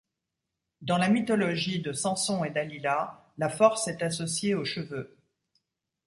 Dans la mythologie de Samson et Dalila, la force est associée aux cheveux.